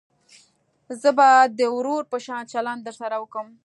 زه به د ورور په شان چلند درسره وکم.